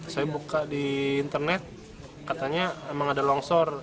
saya buka di internet katanya emang ada longsor